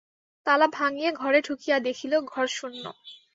তালা ভাঙিয়া ঘরে ঢুকিয়া দেখিল, ঘর শূন্য।